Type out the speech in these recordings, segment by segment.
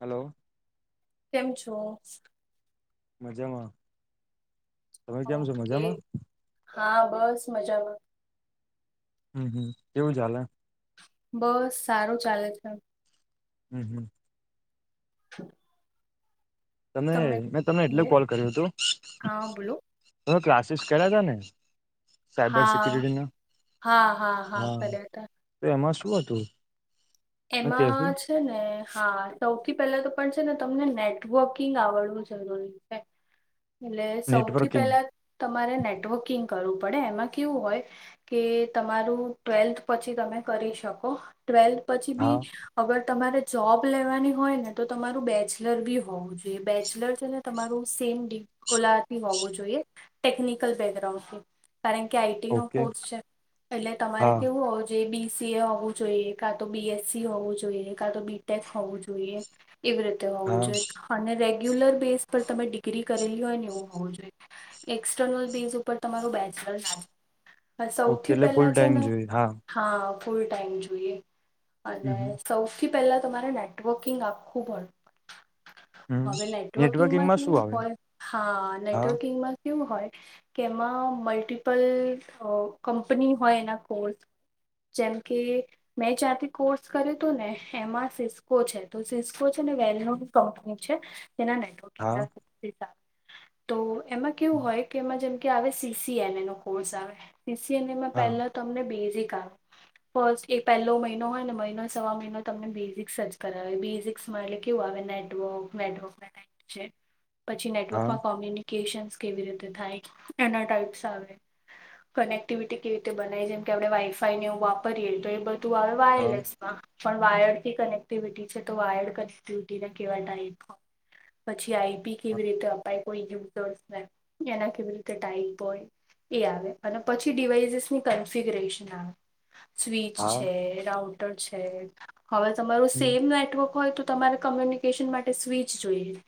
Hello કેમ છો મજામાં તમે કે્યામ છો ઓકે. મજામાં હા બસ મજામાં હમ હમ કેવું ચાલે બસ સારું ચાલે છે હમ હમ [unintelligible] તમે મે તમને એટલ યસ કોલ કર્યું હા બોલો હતું ક્લા સ કર ત ને સાયબર હા સિક્યુરિટીના હા હા કર્યા હતા તો એમાં શું હતું મેં કેશું એમાં છે ને હા સૌથી પહેલા પણ છે ને તમને નેટવર્કિંગ આવડવું જરૂરી છે. એટલે સૌથી નેટવર્કિંગ પહેલા તમારે નેટવર્કિંગ કરવું પડે એમાં કેવું હોય કે તમારું ટ્વેલ્થ પછી તમે કરી શકો, ટ્વેલ્થ પછી હા ભી અગર તમારે જોબ લેવાની હોય ને તો તમારું બેચલર ભી હોવું બેચલરસ છે એ તમારું સેમ ગોલાથી હોવું જોઈએ ટેકનિકલ બેકગ્રાઉન્ડથી કારણ કે આઈટીનો ઓકે કોર્સ છે, એટલે તમારે હા કેવું હોવું જોઇએ બીસીએ હોવું જોઈએ. તો બીએસસી હોવું જોઈએ કા તો બીટેક હોવું જોઈએ એવી રીતે હોવું હા જોઈએ અને રેગ્યુલર બેસ પર તમે ડિગ્રી કરેલી હોય ને એવું હોવું જોઈએ. એક્સર્નલ બેઝ ઉપર તમારું બે ઓકે સૌથી એટલે ફૂલ પહેલા છે ટાઈમ ને જોઈએ હા ફૂલ ટાઈમ જોઈએ હમ અને હમ સૌથી થી પહેલા તમારે નેટવર્કિંગ આખું હમ હવે નેટવર્કિંગમાં શું કેવું આવે હોય, હા નેટવર્કિંગમાં કેવું હોય કે એમાં મલ્ટિપલ કંપની હોય એના કોર્સ જેમ કે, મે ચાહતી કોર્સ કર્યું તું ને એમાં સિસ્કો છે, તો સિસ્કો છે ને વેલનો કંપની છે હા તો એમાં કેવું હોય કે એમાં જેમ સીસીએનએ નો કોર્સ આવે સીસીએન એમાં હા પહેલા તમને બેઝિક ફસ્ટ એ પહેલો મહિનો મહિનો હોય ને મહિનો સવા મહિનો તમને બેઝિક્સ જ કરાવે બેઝિક્સમાં એટલે કેવું આવે નેટવર્ક નેટવર્ક પછી હા નેટવર્કમાં કોમ્યુનિકેશન કેવી રીતે થાય એના ટાયપ્સ આવે. કનેક્ટિવિટી કેવી રીતે બનાય જેમ કે આપડે વાઈફાઈ ને એવું વાપરીએ તો એ બધું આવે હા વાયરલેસમાં પણ વાયર્ડ થી કનેક્ટિવિટી છે તો વાયર્ડ કનેક્ટિવિટીને કેવા ટાઇપ પછી આઈપી હા કેવી રીતે અપાય કોઈ યુઝર્સ ને એના કેવી રીતે ટાઈપ હોય એ આવે અને પછી ડિવાઈસીસ ની કન્ફિગરેશન આવે સ્વિચ હા છે, રાઉટર છે હવે તમારું હમ સેમ નેટવર્ક હોય તો તમારે કોમ્યુનિકેશન માટે સ્વિચ જોઈએ.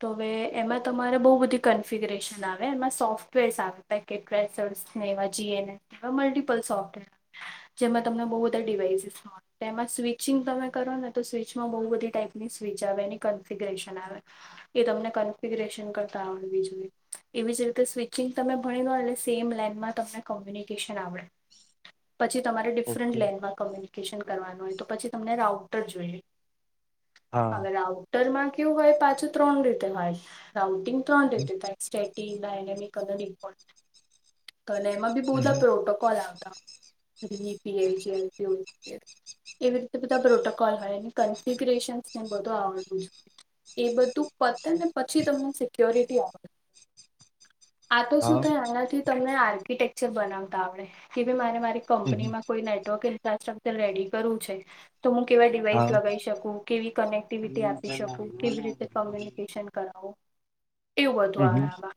તો હવે એમાં તમારે બહુ બધી કન્ફિગરેશન આવે એમાં સોફ્ટવેર્સ આવે પેકેટસર્ મલ્ટીપલ સોફ્ટવેર જેમાં તમને બ ડિવાઇઝિસ તેમજ સ્વિચિંગ તમે કરો ને તો સ્વિચમાં બહુ બધી ટાઈપની સ્વિચ આવે એની કન્ફ્યુ કન્ફિગરેશન આવે, એ તમને કન્ફિગરેશન કરતા આવડવી જોઈએ એવી રીતે સ્વિચિગ તમે ઘણી સેમ લનમાં તમને કોમ્યુનિકેશન આવડે, પછી તમા ડિફર ઓકે લન કોમ્યુનિકેશન કરવાનું હોય તો પછી તમને રાઉટર જોઈએ, હા હવે રાઉટરમાં કેવું હોય પાછું ત્રણ રીતે હોય રાઉટિંગ ત્રણ હમ રીતે થાય. સ્ટેટ ટલ એને કદ મપો અને એમાં ભી બહુ બધા હમ પ્રોટોકોલ આવતા એવી રીતે બધા પ્રોટોકોલ હોય એ કફિગેશનને બધું આવડવું‌ જોઇએ. એ બધું પતે ને પછી તમને સિક્યોરિટી આવડે. આ તો શું હા થાય આનાથી આર્કિટેકચર બનાવતા આવડે કે ભઈ મારે મારી હમ કંપનીમાં કોઈ નેટવર્ક સ્ટ્રક્ચર રેડી કરવું છે. તો હું કેવા હા ડિવાઈસ લગાવી શકું, કેવી કનેક્ટિવિટી આપી શકું, કેવી રીતે કોમ્યુનિકેશન કરાવું. એવું વધુ હમ હમ આવે આમાં,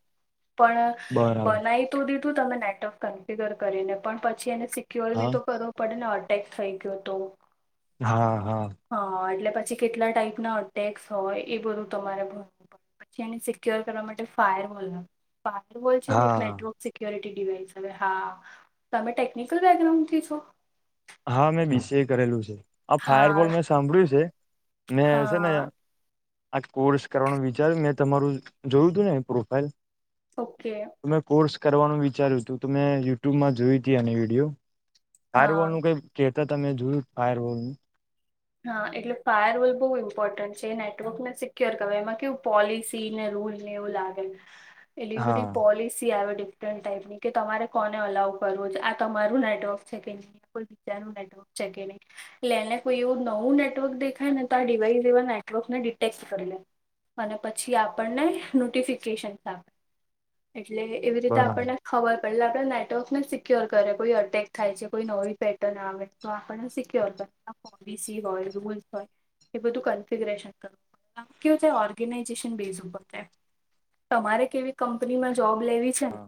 પણ બરાબર બનાવી સિધું તમે નેટવર્ક કન્પિગર કરીને પણ પછી એને સિક્યોર હા ભી તો કરવો પડે ને ટેક્ થઈ ગયો હતો. હા હા પછી કેટલા ટાઈપ ના અટેક્સ હોય એ બધું તમારે ભવું પડ પછી એને સિક્યોર કરવા માટે ફાયર વોલ ફાયર વોલ છે હા નેલા કેયોરિવાઈસ હ હા તમે ટેકનિકલ બેકગ્રાઉન્ડ થી છો હા મેં બીસીએ કરેલું છે આ હા ફાયરબોલ મેં સાંભળ્યું છે મે હ છે ને હા આ કોર્સ કરવાનું વિચાર્યું મેં તમારું જોયું તું ને પ્રોફાઈલ ઓકે તો મેં કોર્સ કરવાનું વિચાર્યું હતું ત મેં યુટ્યુબમાં જોયું ત આ વિડીિયો હા કે તો તમે જોયું બાયર બોલનું હા એટલે ફાયર રોલ બહુ ઇમ્પોર્ટન્ટ છે નેટવર્ક ને સિક્યોર કર એમાં કેવું પોલિસીને હું લાગે ઇતિ હા વાડી પોલિસી આવે ડિફરન્ટ ટાઈપની કે તમારે કોને અલાવ કરવો છે આ તમારું નેટવર્ક છે કે નહીં કોઈ બીજાનું નેટવર્ક જગ લે લના કોઈ એ હું નેટવર્ક દેખાય ને તો આ ડિવાઈસ એવા નેટવર્ક ને ડિટેક્ટ કરી લે અને પછી આપણને નોટિફિકેશન આપે એટલે એવી રીતે બરાબર આપણને ખબર પટલે આપડણે નેટવર્કને જ સિક્યોર કરે કોઈ અટેક થાય છે કોઈ નવી પેટર્ન આવે તો આપણને સિક્યોર કરે પોલિસી હોય રૂલ્સ હોય એ બધું કન્ફિગરેશન કરવું પડે કેવું થ ઓર્ગેનાઈઝેશન બેઝ ઉપરાય તમારે કેવી કંપનીમાં જોબ લેવી છે ને હા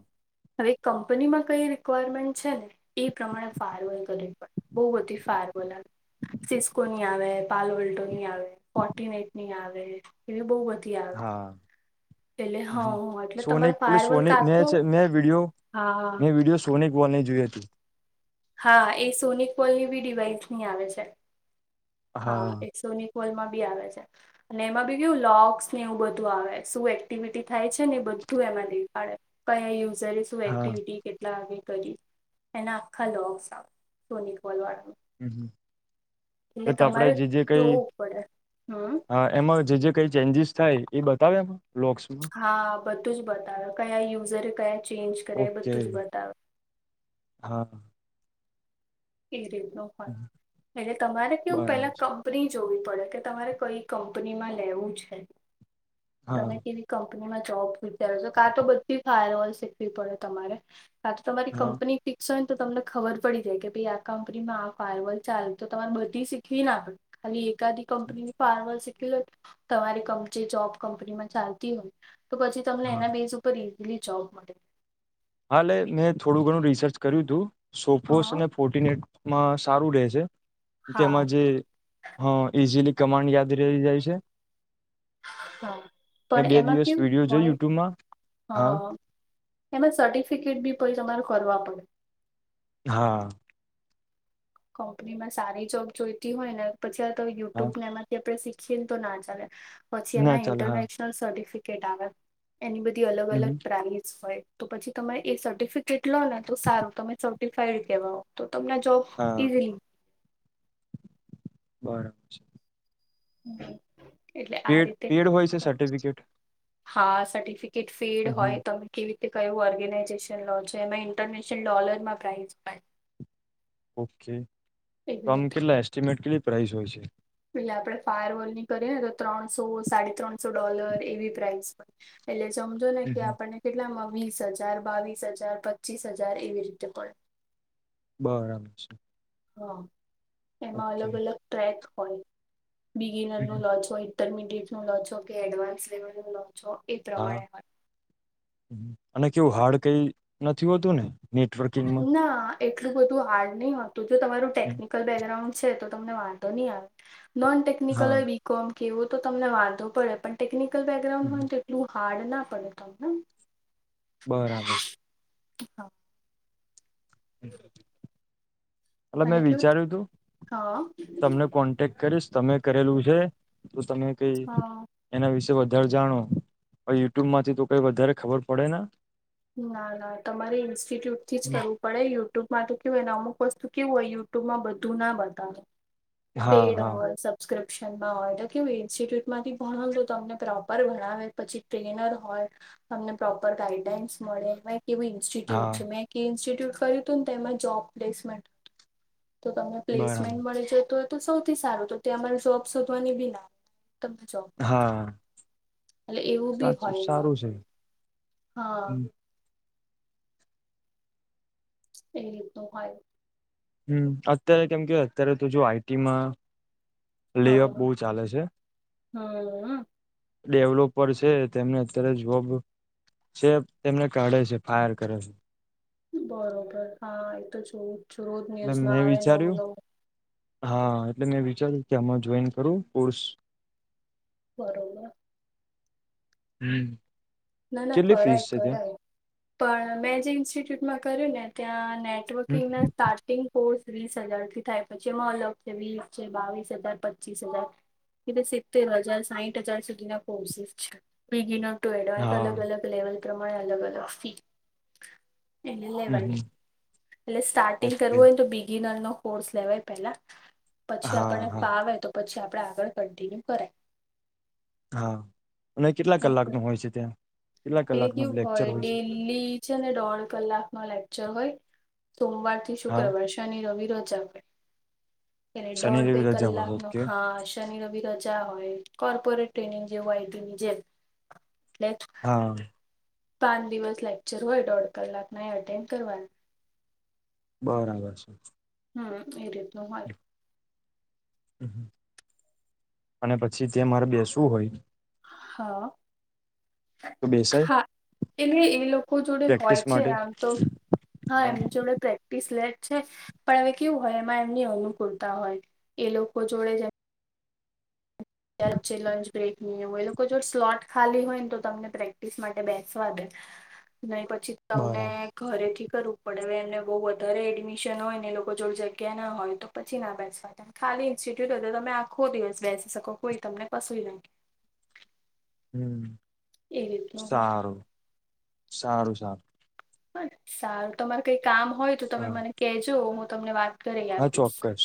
હવે કંપનીમાં કઈ રિક્વાયરમેન્ટ છે ને એ પ્રમાણે ફારવર્ડ કરવી પડે બઉ વધી ફાર બોલા સિસ્કો ની આવે પાલવોલ્ટો ની આવે ફોટીનેટ ની આવે એવી બહ હા હા એટલે સોન તમારે પલી ફાયરવલ સોની કાં મે તો મે વિડીયો હા એ વિીડિયો સોનિક વોલને જોય હતી હા એ સોનિક પોલ ની બી ડિવાઈસ ની આવે છે હા એકસોની લમાં બી આવે છે અને એમાં બી કેું લોગસ ને એવું બધું આવે શું એક્ટિવિટી થાય છે ને બધું એમાં દેખાડે કયા યુઝરે શું હા એક્ટિવિટી કેટલા આવે એના આખા લોંગસ સોનિકલ વાળમાં એ એ તો આપણે તમારે જે જે કઈ જોવું પડે હમ એમાં જે જે કઈ ચેન્જીસ સા એ બતાવે એમ હા બધું જ બતાવે કયા યુઝરે કયા ચેન્જ કર્યા એ ઓકે બધું જ બતાવે હા એ રીત નું હોય એટલે તમારે કેવું બરાબર પેલા છે કંપની જોવી પડે કે તમારે કઈ કંપનીમાં લેવું છે હા તમે કેવી કંપનીમાં જોબ વિચાર છે કા તો બધી ફાયરવોલ શીખવી પડે તમારે આા તો તમારી હા કંપની ફિક્સ હોય ને તો તમને ખબર પડી જાય કે આ કંપનીમાં આ ફાયરવલ ચા તો તમારે બધી શીખવી ના આપડે ખાલી એક કંપનીની ફાર્મર શીખ તમારી કં જોબ કંપનીમાં ચાલતી હોય તો પછી તમને હા એના બેઝ ઉપર ઈઝીલી જોબ મળે હાલે મેં થોડું ઘણું રિસર્ચ કર્યું હતું હા સોફોસને ફોર્નેટ માં સારું રહે છે હા તેમાં જે હા ઈઝીલી કમાન્ડ યાદ રહી જાય છે હા મે પણ બે એમાં દિવસ કેવું વિડીિયો જોય હોય યુટ્યુબમાં હ હા એમાં સર્ટિફિકેટ બી પ તમારે કરવા પડે હા કં્પનીમાં સારી જોબ જોઈતી હોય ને પછી આ તો હા યુટ્યુબ ને એમાંથી આપે શીખ તો ના ચાલે પછી ના એમાં ચાલે હા ઇન્ટરનેશનલ સર્ટિફિકેટ આવે એની બધી અલગ હમ અલગ હમ. પ્રાઇસ હોય તો પછી તમે એ સર્ટિફિકેટ લો ને તો સારું તમે સર્ટિફાઇડ કેહવાય તો તમને જોબ હા ઇઝલી બરાબર છે હમ પેડ હોય છે સાર્ટિફિકેટ હા સર્ટિફિકેટ ફેડ હોય તમે કયું ઓર્ગેનાઇઝેશન લો છે એમાં ઇન્ટરનેશનલ ડોલર માં પ્રાઇઝ પણ ઓકે તો આમ રીતે કેટલા એસ્ટિમેટ કેટલી પ્રાઇસ હોય છે એટલે આપડે ફાયર વોલ ની કરીએ ને તો ત્રણસો સાડી ત્રણસો ડોલર એવી પ્રાઇસ હોય એટલે સમજો ને હમ કે હમ. આપણને કેટલામાં વીસ હજાર બાવીસ હજાર પચીસ હજાર એવી રીતે પણ. બરાબર છે. હા એમાં ઓકે અલગ અલગ ટ્રેક હોય બિગિનર નું હમ. લોજ હોય. ઇન્ટરમિડિયેટ નું લો છો કે એડવાન્સ લેવલ નું લો છો એ પ્રમાણે હા હો હમ. અને કેવું હાર્ડ કઈ નથી હોતું ને નેટવર્કિંગમાં ના એટલું બધું હાર્ડ નહી હોતું જો તમારું ટેકનિકલ બેકગ્રાઉન્ડ છે તો તમને વાંધો નહી આવે નોન ટેકનિકલ હા હોય બી કોમ કે એવો તો તમને વાંધો પડે પણ ટેકનિકલ બેકગ્રાઉન્ડ હોય ને તો એટલું [inaudible] બરાબર છે હા હ એટલે અને મેં કેવું વિચાર્યું તું હા તમને કોન્ટેક્ટ કરીશ તમે કરેલું છે તો તમે કઈ હા એના વિશે વધારે જાણો અને યુટ્યુબમાંથી તો કઈ વધારે ખબર પડે ના ના ના તમારે ઇન્સ્ટિટ્યુટ થી જ કરવું પડે યુટ્યુબ માટે કેવું હોયને અમુક વસ્તુ કેવું હોય યુટ્યુબ માં બધું ના બતાવે હા પેડ હા હોલ સબસ્ક્રીપશન માં હોય કેું ઇન્સ્ટિટ્યુટમાંથી ભણો તો તમને પ્રોપર ભણાવે પછી ટ્રેનર હોય તમને પ્રોપર ગાઈડલાઈઇન્સ મળે કેવી ઇન્સ્ટિટ્યુટ હા છે મે કર્યું હતું ને તેમાં જોબ પ્લેસમેન્ટ હતું તો તમને બરાબર પ્લેસમેન્ટ મળી જતું તો સૌથી સારું તો તે અમારે જોબ શોધવાની બી ના જોબમાં હા સાચું સારું છે. હા. એ તો હોય. હમ અત્યારે કેમ કે અત્યારે તો જો આઈટીમાં લેઅપ હા બહુ ચાલે છે. હમ. ડેવલોપર છે તેમને અત્યારે જોબ. [unintelligible] તેમને કાઢે છે ફાયર કરે છે. બરોબર હા એ તો જો એટલે ન્યુઝમાં મેં આવે નવું વિચાર્યું નવું. હા એટલે મેં વિચાર્યું કે આમાં જોઈન કરું કોર્સ બરોબર. હમ. ના ના કરાય કરાય પણ મેં જે ઇન્સ્ટિટ્યુટમાં કર્યું ને ત્યાં ત્યાં નેટવર્કિંગ ના સ્ટાર્ટિંગ કોર્સ ત્રીસ હજાર થી થાય પછી એમાં અલગ છે વીસ છે બાવીસ હજાર પચીસ હજાર. એટલે સિત્તેર હજાર સાહીઠ હજાર સુધી ના કોર્સીઝ બેગિન્નર અલગ હા અલગ લેવલ પ્રમાણે અલગ અલગ ફી. એટલે લેવાની હમ એટલે સ્ટાર્ટિંગ ઓકે કરવું હોય ને તો બિગિનર નો. કોર્સ લેવાય પેલા પછી હા આપણને હા ફાવે તો પછી. આપડ આગળ કંન્ટિન્યુ કરાય. હા અને કેટલા કલાકનું હોય છે ત્યાં. કેટલા એટલે કલાક નું કેવું લેક્ચર હોય છે ડિલ્લી છે ને ડોઢ કલાક ન લેક્ચર હોય સોમવાર થી હા શુક્રવાર શની રવિ. રજા હોય એને શનિ ડોઢ બે રવિ રજા કલાક હોય નો ઓકે હા શનિ રવિ રજા. હોય કોર્પોરેટ ટ્રેનિંગ જે હોયની જેમ એટલે. હા પાંચ દિવસ લેક્ચર હોય દોઢ કલાક ના એટેન્ડ કરવાના. બરાબર છે. હમ્મ એ રીત વાત. અને પછી તે મારે બેસવું હોય હા. તો બેસાય હા એટલે એ લોકો જોડે હોય પ્રેક્ટિસ છે માટે આમ તો હા [unintelligible] પ્રેક્ટિસ લે છે પણ હવે કેવું હોય એમાં એમની અનુકૂળતા હોય એ લોકો જોડે જેમ. [unintelligible] લંચ બ્રેક હોય એ લોકો જો સ્લોટ ખાલી હોય ને તો તમને પ્રેક્ટિસ માટે બેસવા દે. નહી પછી તમને બરાબર ઘરેથી. કરવું પડે હવે એમને બહું વધારે એડમિશન હોય ને લોકો જો જગ્યા ના હોય તો પછી ના બેસવા. ઇન્સ્ટિટ્યુટ તો તમે આખો દિવસ બેસી શકો કોઈ તમને કશું ના કે. હમ. એ રીતનું હોય. સારું સારું સારું. સારું તમાર કઈ કામ હોય તો તમે સારું મને કજો હું તમને વાત. કરી હા આપીશ ચોક્કસ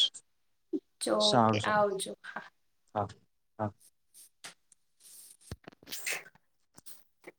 ઓકે સારું સારું આવજો હા. હા હા.